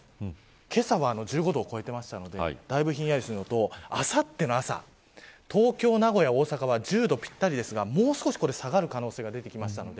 けさは１５度を超えていましたのでだいぶひんやりしているのとあさっての朝、東京、名古屋大阪は１０度ぴったりですがもう少し下がる可能性が出てきました。